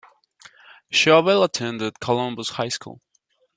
Schobel attended Columbus High School.